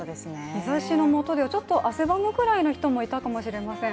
日ざしのもとでちょっと汗ばむくらいの人もいたかもしれません。